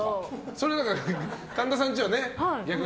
それは、神田さんちはね。